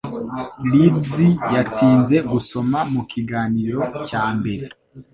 Leeds yatsinze Gusoma mu kiganiro cya mbere